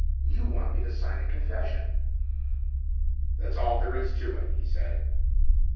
You want me to sign a confession." "That's all there is to it," he said.